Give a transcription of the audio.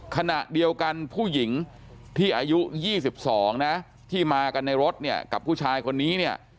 ขณะเดียวกันผู้หญิงที่อายุ๒๒ที่มากันในรถกับผู้ชายคนนี้